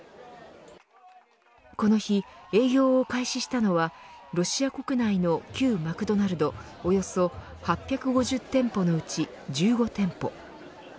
この日、営業を開始したのはロシア国内の旧マクドナルドおよそ８５０店舗のうち１５店舗。